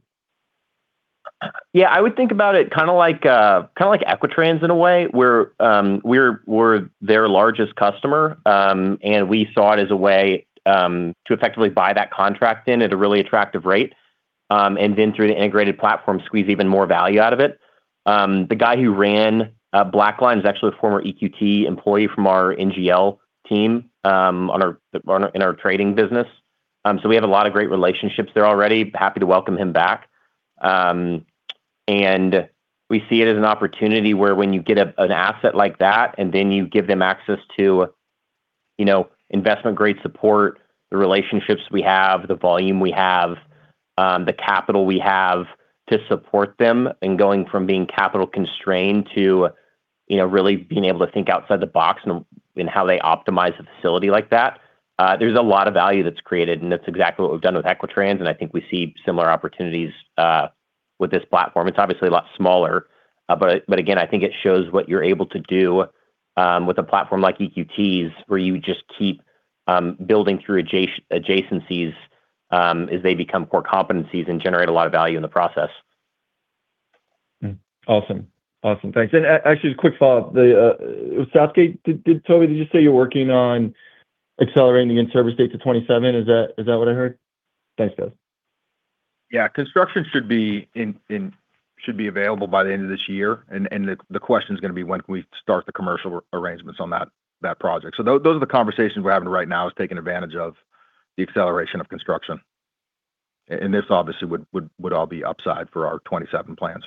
Yeah, I would think about it like Equitrans in a way, where we're their largest customer, and we saw it as a way to effectively buy that contract in at a really attractive rate. Through the integrated platform, squeeze even more value out of it. The guy who ran Blackline is actually a former EQT employee from our NGL team in our trading business. We have a lot of great relationships there already. Happy to welcome him back. We see it as an opportunity where when you get an asset like that, and then you give them access to investment grade support, the relationships we have, the volume we have, the capital we have to support them in going from being capital constrained to really being able to think outside the box in how they optimize a facility like that. There's a lot of value that's created, and that's exactly what we've done with Equitrans, and I think we see similar opportunities with this platform. It's obviously a lot smaller. Again, I think it shows what you're able to do with a platform like EQT's, where you just keep building through adjacencies as they become core competencies and generate a lot of value in the process. Awesome. Thanks. Actually, just a quick follow-up. Southgate, Toby, did you just say you're working on accelerating the in-service date to 2027? Is that what I heard? Thanks, guys. Yeah, construction should be available by the end of this year. The question's going to be when can we start the commercial arrangements on that project? Those are the conversations we're having right now, is taking advantage of the acceleration of construction. This obviously would all be upside for our 2027 plans.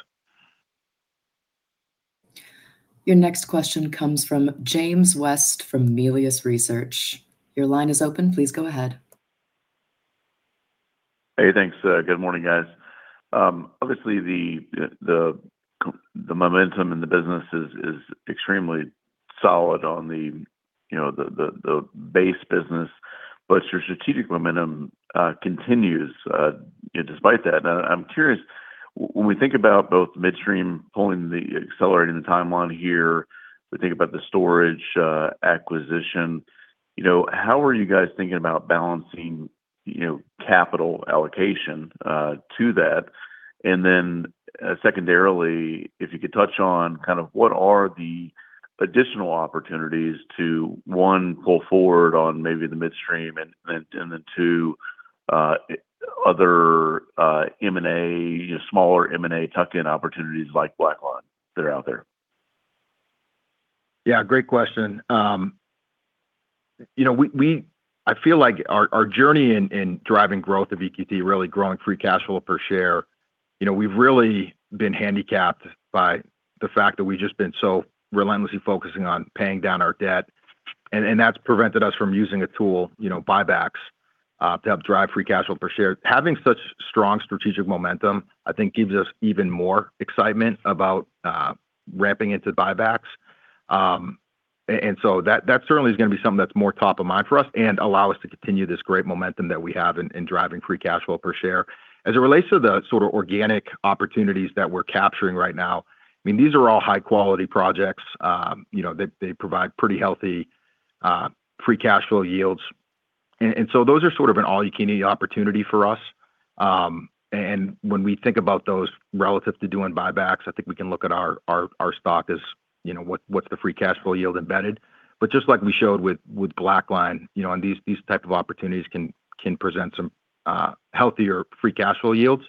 Your next question comes from James West from Melius Research. Your line is open. Please go ahead. Hey, thanks. Good morning, guys. Obviously the momentum in the business is extremely solid on the base business, but your strategic momentum continues despite that. Now, I'm curious, when we think about both midstream accelerating the timeline here, we think about the storage acquisition. How are you guys thinking about balancing capital allocation to that? Then secondarily, if you could touch on what are the additional opportunities to, one, pull forward on maybe the midstream, then two, other M&A, smaller M&A tuck-in opportunities like Blackline that are out there? Yeah, great question. I feel like our journey in driving growth of EQT, really growing free cash flow per share, we've really been handicapped by the fact that we've just been so relentlessly focusing on paying down our debt. That's prevented us from using a tool, buybacks, to help drive free cash flow per share. Having such strong strategic momentum, I think gives us even more excitement about ramping into buybacks. That certainly is going to be something that's more top of mind for us allow us to continue this great momentum that we have in driving free cash flow per share. As it relates to the organic opportunities that we're capturing right now, these are all high-quality projects. They provide pretty healthy free cash flow yields. Those are an all-you-can-eat opportunity for us. When we think about those relative to doing buybacks, I think we can look at our stock as what's the free cash flow yield embedded. Just like we showed with Blackline, these types of opportunities can present some healthier free cash flow yields.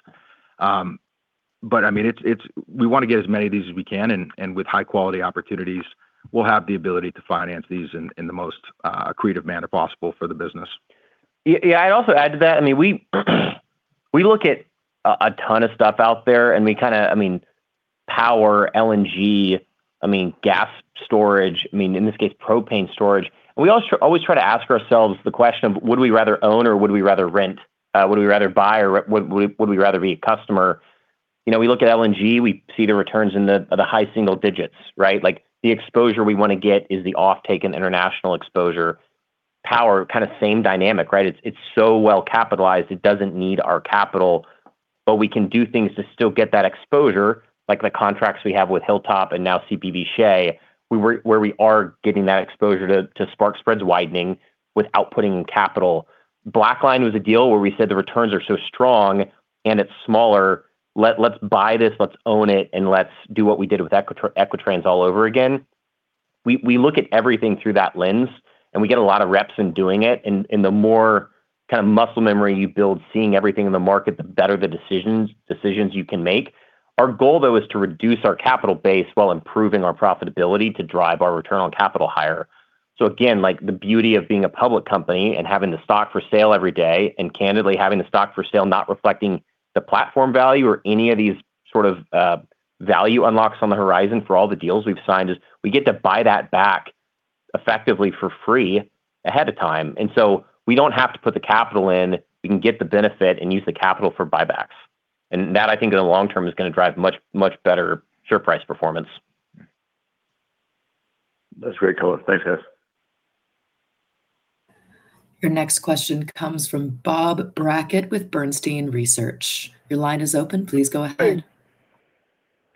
We want to get as many of these as we can, with high-quality opportunities, we'll have the ability to finance these in the most accretive manner possible for the business. Yeah. I'd also add to that, we look at a ton of stuff out there, power, LNG, gas storage, in this case, propane storage. We always try to ask ourselves the question of would we rather own or would we rather rent? Would we rather buy or would we rather be a customer? We look at LNG, we see the returns in the high single digits. Right? The exposure we want to get is the offtake and international exposure. Power, kind of same dynamic. Right? It's so well capitalized, it doesn't need our capital. We can do things to still get that exposure, like the contracts we have with Hilltop and now CPV Shay, where we are getting that exposure to spark spreads widening without putting in capital. Blackline was a deal where we said the returns are so strong and it's smaller, let's buy this, let's own it, and let's do what we did with Equitrans all over again. We look at everything through that lens, and we get a lot of reps in doing it. The more muscle memory you build seeing everything in the market, the better the decisions you can make. Our goal, though, is to reduce our capital base while improving our profitability to drive our return on capital higher. Again, the beauty of being a public company and having the stock for sale every day, and candidly, having the stock for sale not reflecting the platform value or any of these value unlocks on the horizon for all the deals we've signed is we get to buy that back effectively for free ahead of time. We don't have to put the capital in. We can get the benefit and use the capital for buybacks. That, I think in the long term, is going to drive much better share price performance. That's great color. Thanks, guys. Your next question comes from Bob Brackett with Bernstein Research. Your line is open. Please go ahead. Hey.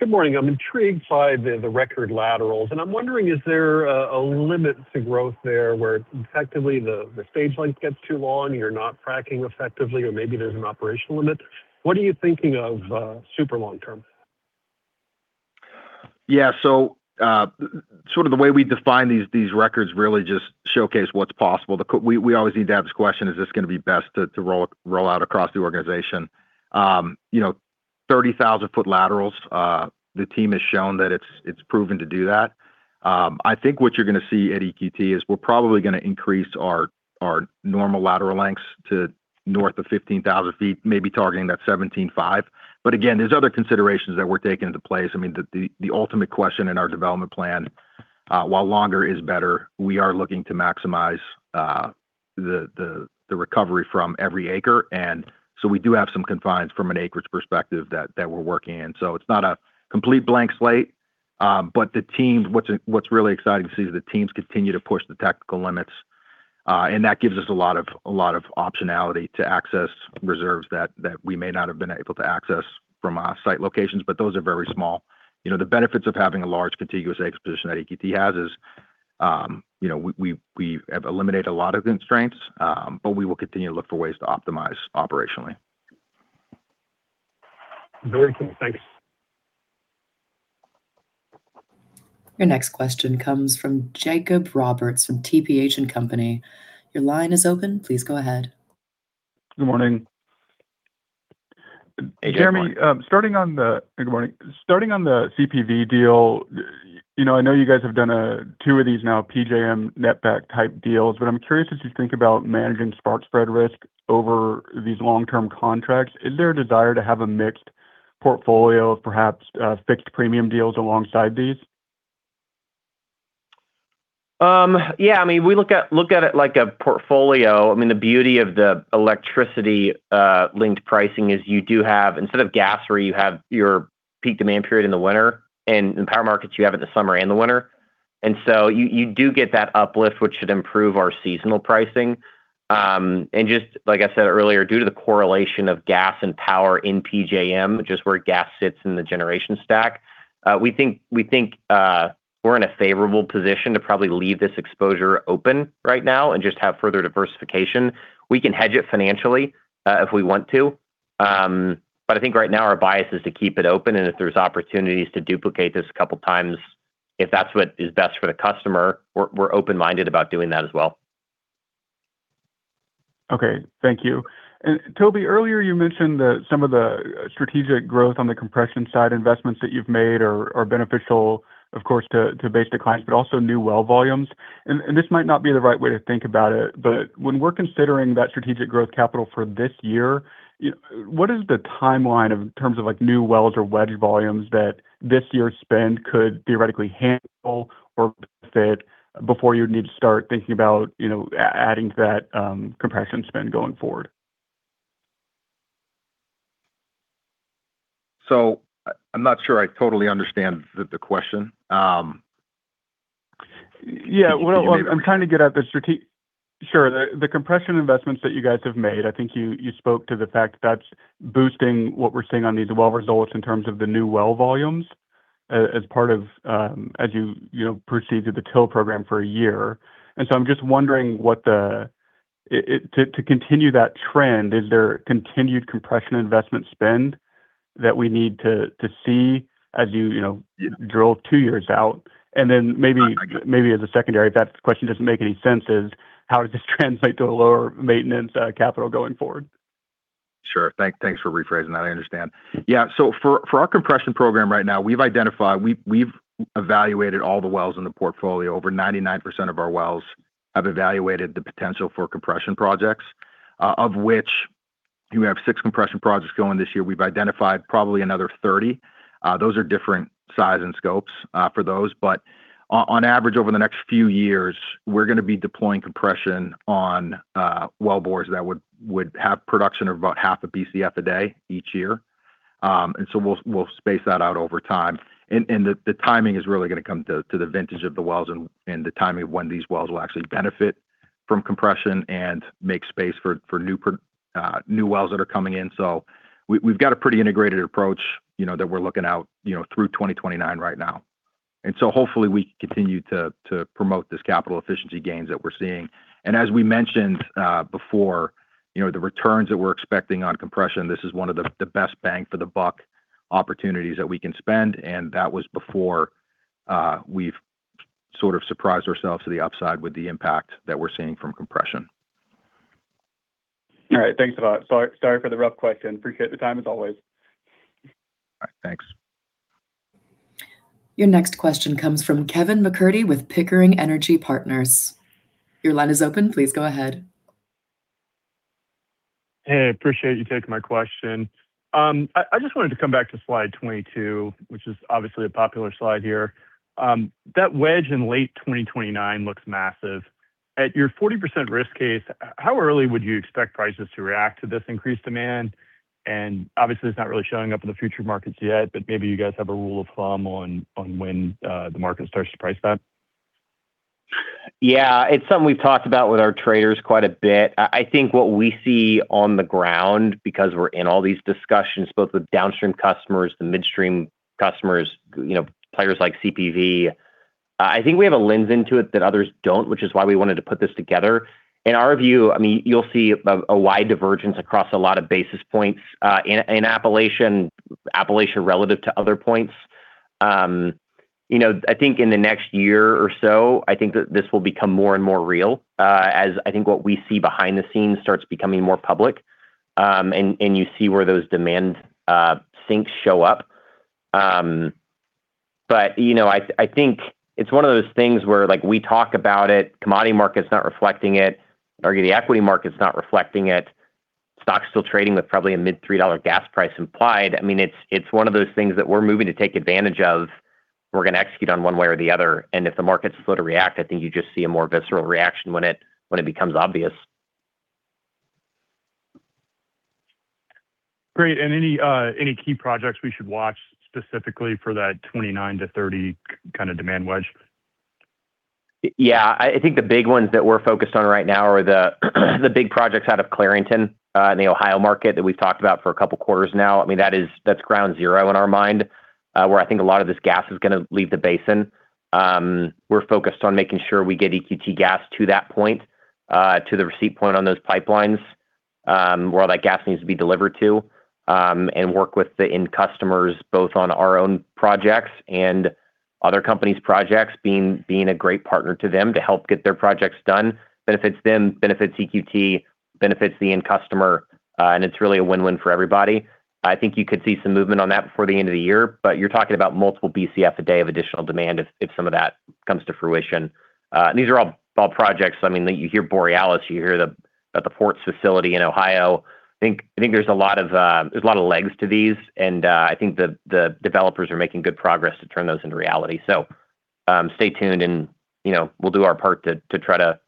Good morning. I'm intrigued by the record laterals, and I'm wondering, is there a limit to growth there where effectively the stage length gets too long, you're not fracking effectively, or maybe there's an operational limit? What are you thinking of super long term? Yeah. The way we define these records really just showcase what's possible. We always need to ask this question, is this going to be best to roll out across the organization? 30,000-foot laterals, the team has shown that it's proven to do that. I think what you're going to see at EQT is we're probably going to increase our normal lateral lengths to north of 15,000 feet, maybe targeting that 17,500. Again, there's other considerations that we're taking into place. The ultimate question in our development plan, while longer is better, we are looking to maximize the recovery from every acre. We do have some confines from an acreage perspective that we're working in. It's not a complete blank slate. What's really exciting to see is the teams continue to push the technical limits. That gives us a lot of optionality to access reserves that we may not have been able to access from our site locations. Those are very small. The benefits of having a large contiguous exposition that EQT has is we have eliminated a lot of constraints. We will continue to look for ways to optimize operationally. Very cool. Thanks. Your next question comes from Jacob Roberts from TPH & Co. Your line is open. Please go ahead. Good morning. Hey, Jacob. Morning. Jeremy, good morning. Starting on the CPV deal. I know you guys have done two of these now, PJM netback type deals. I'm curious, as you think about managing spark spread risk over these long-term contracts, is there a desire to have a mixed portfolio of perhaps fixed premium deals alongside these? Yeah. We look at it like a portfolio. The beauty of the electricity-linked pricing is you do have, instead of gas where you have your peak demand period in the winter, in power markets, you have it in the summer and the winter. You do get that uplift, which should improve our seasonal pricing. Just like I said earlier, due to the correlation of gas and power in PJM, just where gas sits in the generation stack, we think we're in a favorable position to probably leave this exposure open right now and just have further diversification. We can hedge it financially if we want to. I think right now our bias is to keep it open, and if there's opportunities to duplicate this a couple of times, if that's what is best for the customer, we're open-minded about doing that as well. Okay. Thank you. Toby, earlier you mentioned that some of the strategic growth on the compression-side investments that you've made are beneficial, of course, to base declines, but also new well volumes. This might not be the right way to think about it, but when we're considering that strategic growth capital for this year, what is the timeline in terms of new wells or wedge volumes that this year's spend could theoretically handle or benefit before you would need to start thinking about adding to that compression spend going forward? I'm not sure I totally understand the question. Yeah. Well, I'm trying to get at the strategic. Sure. The compression investments that you guys have made, I think you spoke to the fact that's boosting what we're seeing on these well results in terms of the new well volumes as you proceed through the drill program for a year. I'm just wondering, to continue that trend, is there continued compression investment spend that we need to see as you drill two years out? Maybe as a secondary, if that question doesn't make any sense, is how does this translate to a lower maintenance capital going forward? Sure. Thanks for rephrasing that. I understand. Yeah. For our compression program right now, we've evaluated all the wells in the portfolio. Over 99% of our wells have evaluated the potential for compression projects, of which we have six compression projects going this year. We've identified probably another 30. Those are different size and scopes for those. On average, over the next few years, we're going to be deploying compression on well bores that would have production of about half a Bcf a day each year. We'll space that out over time. The timing is really going to come to the vintage of the wells and the timing of when these wells will actually benefit from compression and make space for new wells that are coming in. We've got a pretty integrated approach that we're looking out through 2029 right now. Hopefully we can continue to promote this capital efficiency gains that we're seeing. As we mentioned before, the returns that we're expecting on compression, this is one of the best bang for the buck opportunities that we can spend. That was before we've sort of surprised ourselves to the upside with the impact that we're seeing from compression. All right. Thanks a lot. Sorry for the rough question. Appreciate the time, as always. All right. Thanks. Your next question comes from Kevin MacCurdy with Pickering Energy Partners. Your line is open. Please go ahead. Hey, appreciate you taking my question. I just wanted to come back to slide 22, which is obviously a popular slide here. That wedge in late 2029 looks massive. At your 40% risk case, how early would you expect prices to react to this increased demand? Obviously, it's not really showing up in the future markets yet, but maybe you guys have a rule of thumb on when the market starts to price that. Yeah. It's something we've talked about with our traders quite a bit. I think what we see on the ground, because we're in all these discussions, both with downstream customers, the midstream customers, players like CPV, I think we have a lens into it that others don't, which is why we wanted to put this together. In our view, you'll see a wide divergence across a lot of basis points in Appalachian relative to other points. I think in the next year or so, I think that this will become more and more real, as I think what we see behind the scenes starts becoming more public. You see where those demand sinks show up. I think it's one of those things where we talk about it, commodity market's not reflecting it, or the equity market's not reflecting it. Stock's still trading with probably a mid-$3 gas price implied. It's one of those things that we're moving to take advantage of. We're going to execute on one way or the other. If the markets slow to react, I think you just see a more visceral reaction when it becomes obvious. Great. Any key projects we should watch specifically for that 2029-2030 kind of demand wedge? Yeah. I think the big ones that we're focused on right now are the big projects out of Clarington, in the Ohio market that we've talked about for a couple of quarters now. That's ground zero in our mind, where I think a lot of this gas is going to leave the basin. We're focused on making sure we get EQT gas to that point, to the receipt point on those pipelines, where all that gas needs to be delivered to, and work with the end customers, both on our own projects and other companies' projects, being a great partner to them to help get their projects done. Benefits them, benefits EQT, benefits the end customer. It's really a win-win for everybody. I think you could see some movement on that before the end of the year, but you're talking about multiple Bcf a day of additional demand if some of that comes to fruition. These are all all projects. You hear Borealis, you hear about the ports facility in Ohio. I think there's a lot of legs to these, and I think the developers are making good progress to turn those into reality. Stay tuned and we'll do our part to try to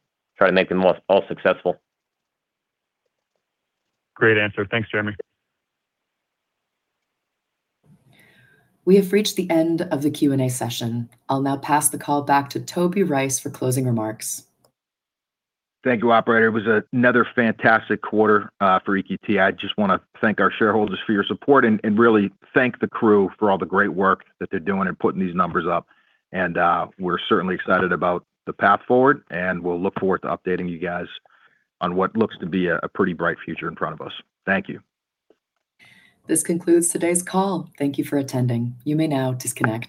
make them all successful. Great answer. Thanks, Jeremy. We have reached the end of the Q&A session. I'll now pass the call back to Toby Rice for closing remarks. Thank you, operator. It was another fantastic quarter for EQT. I just want to thank our shareholders for your support and really thank the crew for all the great work that they're doing in putting these numbers up. We're certainly excited about the path forward, and we'll look forward to updating you guys on what looks to be a pretty bright future in front of us. Thank you. This concludes today's call. Thank you for attending. You may now disconnect.